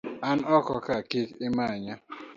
An oko ka kik imanya.